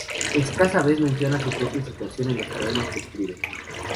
Escasa vez menciona su propia situación en los poemas que escribe.